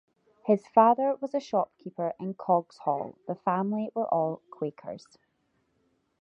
His father was a shopkeeper in Coggeshall; the family were all Quakers.